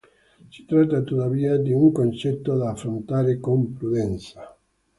Si tratta tuttavia di un concetto da affrontare con prudenza.